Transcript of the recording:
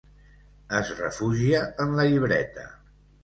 Es refugia en la llibreta.